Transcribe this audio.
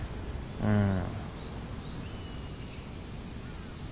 うん。